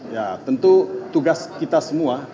ya tentu tugas kita semua